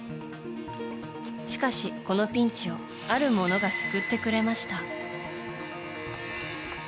しかし、このピンチをあるものが救ってくれました。